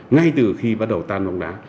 ngay từ khi bắt đầu tan bóng đá